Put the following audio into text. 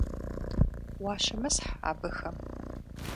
Уащымысхь абыхэм.